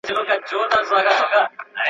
له وړو او له لویانو لاري ورکي.